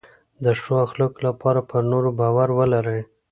د ښو اخلاقو لپاره پر نورو باور ولرئ.